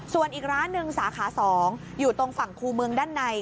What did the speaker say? ส่วนอีกร้านหนึ่งสาขา๒อยู่ตรงฝั่งคู่เมืองด้านใน